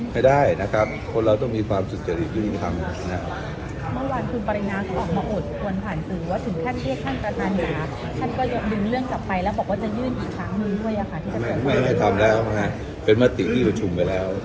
ไม่ไม่ทำแล้วนะฮะเป็นมติที่หรือชุมไปแล้ว